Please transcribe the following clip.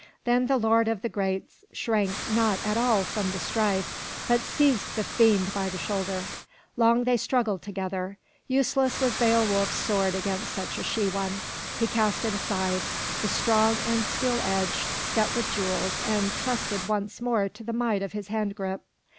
Then the lord of the Geats shrank not at all from the strife, but seized the fiend by the shoulder. Long they struggled together. Useless was Beowulf's sword against such a she one. He cast it aside, the strong and steel edged, set with jewels, and trusted once more to the might of his hand grip.